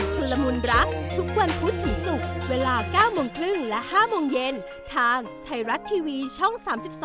สามสิบสอง